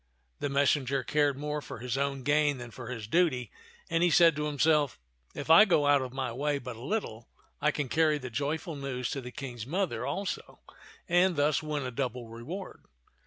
The messenger cared more for his own gain than for his duty, and he said to himself, " If I go out of my way but a little, I can carry the joyful news to the King's mother also, and thus win a double reward."